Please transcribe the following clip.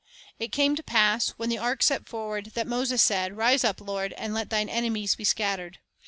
" It came to pass, when the ark set forward, that Moses said, Rise up, Lord, and let Thine enemies be scattered.